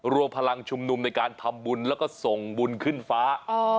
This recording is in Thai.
รวมพลังชุมนุมในการทำบุญแล้วก็ส่งบุญขึ้นฟ้า